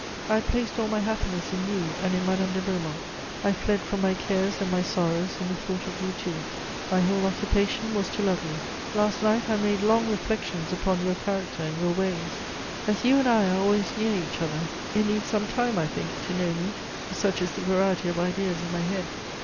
_ "I had placed all my happiness in you and in Madame de Beaumont; I fled from my cares and my sorrows in the thought of you two: my whole occupation was to love you. Last night I made long reflections upon your character and your ways. As you and I are always near each other, it needs some time, I think, to know me, such is the variety of ideas in my head!